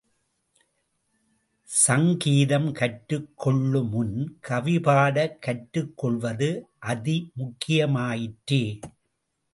ஸங்கீதம் கற்றுக் கொள்ளுமுன் கவிபாட கற்றுக் கொள்வது அதி முக்கியமாயிற்றே!